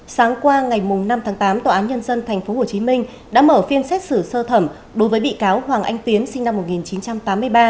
sáng qua ngày năm tháng tám tòa án nhân dân tp hcm đã mở phiên xét xử sơ thẩm đối với bị cáo hoàng anh tiến sinh năm một nghìn chín trăm tám mươi ba